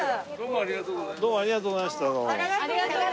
ありがとうございます。